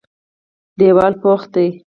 دېوال پخ دی.